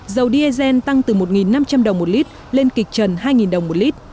dầu diesel tăng từ một năm trăm linh đồng một lít lên kịch trần hai đồng một lít